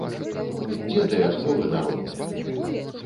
Дзе тыя школы народныя?